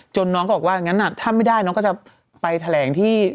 น้องก็บอกว่างั้นถ้าไม่ได้น้องก็จะไปแถลงที่